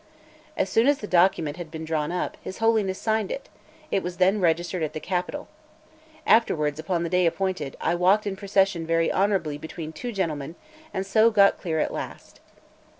As soon as the document had been drawn up, his Holiness signed it; it was then registered at the Capitol; afterwards, upon the day appointed, I walked in procession very honourably between two gentlemen, and so got clear at last.